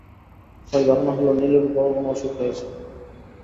তাঁর ধারণা হলো, নীলুর বড় কোনো অসুখ হয়েছে।